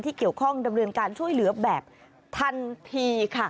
เกี่ยวข้องดำเนินการช่วยเหลือแบบทันทีค่ะ